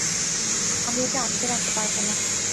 আমি একে আটকে রাখতে পারব না।